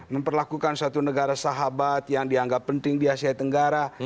memperlakukan satu negara sahabat yang dianggap penting di asia tenggara